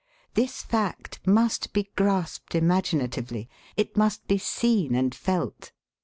This fact must be grasped imaginatively; it must be seen and felt.